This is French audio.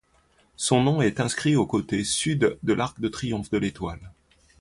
Son nom est inscrit au côté Sud de l'arc de triomphe de l'Étoile.